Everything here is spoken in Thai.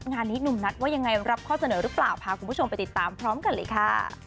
งานนี้หนุ่มนัทว่ายังไงรับข้อเสนอหรือเปล่าพาคุณผู้ชมไปติดตามพร้อมกันเลยค่ะ